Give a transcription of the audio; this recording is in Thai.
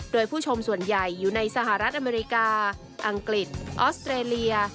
โดยผู้ชมส่วนใหญ่อยู่ในสหรัฐอเมริกาอังกฤษออสเตรเลีย